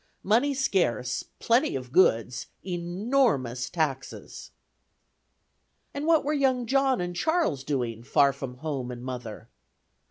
Money scarce; plenty of goods; enormous taxes." And what were young John and Charles doing, far from home and mother?